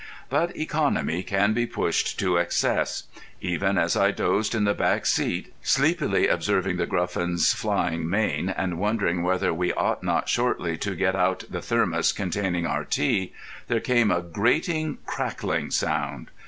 But economy can be pushed to excess. Even as I dozed in the back seat, sleepily observing The Gruffin's flying mane and wondering whether we ought not shortly to get out the Thermos containing our tea, there came a grating, crackling sound.